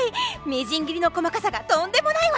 みじん切りの細かさがとんでもないわね！